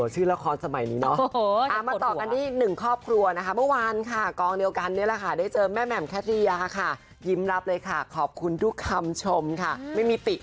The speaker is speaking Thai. ชื่อแบบตังมากคุณผู้ชม